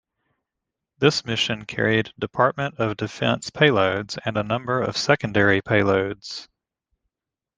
This mission carried Department of Defense payloads and a number of secondary payloads.